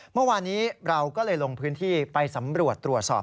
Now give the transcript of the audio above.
เมื่อวานนี้เราก็เลยลงพื้นที่ไปสำรวจตรวจสอบ